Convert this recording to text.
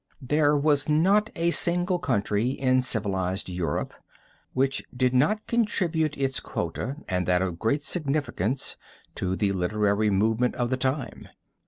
There was not a single country in civilized Europe which did not contribute its quota and that of great significance to the literary movement of the time.